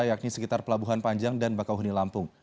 yakni sekitar pelabuhan panjang dan bakau huni lampung